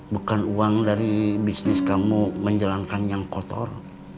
bukan uang dari bisnis kamu menjalankan yang kotor